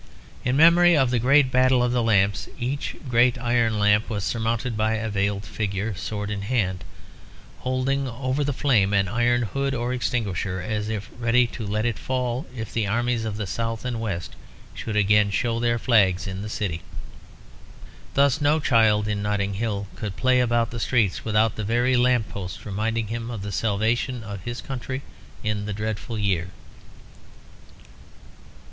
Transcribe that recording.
In memory of the Great Battle of the Lamps, each great iron lamp was surmounted by a veiled figure, sword in hand, holding over the flame an iron hood or extinguisher, as if ready to let it fall if the armies of the South and West should again show their flags in the city. Thus no child in Notting Hill could play about the streets without the very lamp posts reminding him of the salvation of his country in the dreadful year.